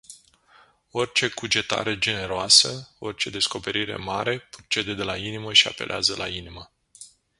Orice cugetare generoasă, orice descoperire mare purcede de la inimă și apeleaza la inimă.